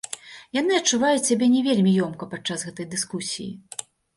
Яны адчуваюць сябе не вельмі ёмка падчас гэтай дыскусіі.